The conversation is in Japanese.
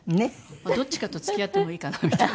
どっちかと付き合ってもいいかなみたいな。